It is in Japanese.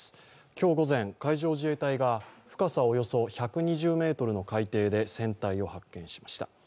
今日午前海上自衛隊が深さおよそ１２０ｍの海底で船体を発見しました。